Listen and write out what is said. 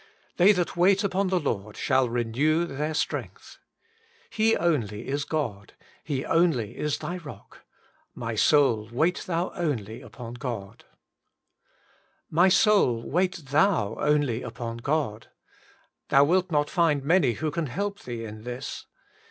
They that wait upon the Lord shall renew their strength.' He only is God ; He only is thy Rock :* My soul, wait thou only upon God.' * My soul, wait thou only upon God.' Thou wilt not find many who can help thee in this.